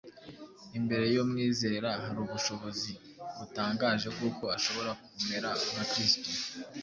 Imbere y’umwizera hari ubushobozi butangaje bw’uko ashobora kumera nka Kristo